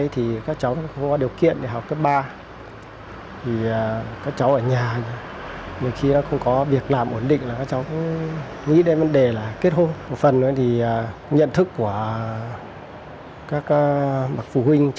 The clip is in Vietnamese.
thì các cháu có điều kiện để học cấp một